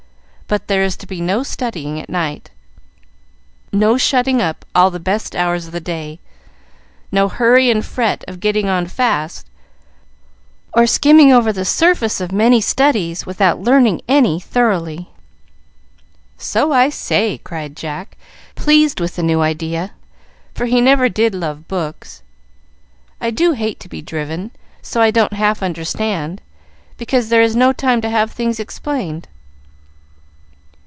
But there is to be no studying at night, no shutting up all the best hours of the day, no hurry and fret of getting on fast, or skimming over the surface of many studies without learning any thoroughly." "So I say!" cried Jack, pleased with the new idea, for he never did love books. "I do hate to be driven so I don't half understand, because there is no time to have things explained.